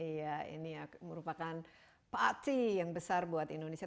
iya ini merupakan party yang besar buat indonesia